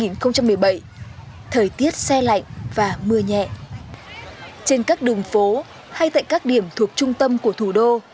ngày đầu tiên là mưa nhẹ trên các đường phố hay tại các điểm thuộc trung tâm của thủ đô